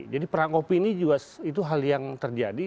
jadi perang opini itu juga hal yang terjadi